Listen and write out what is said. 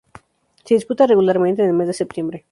Se disputa regularmente en el mes de septiembre.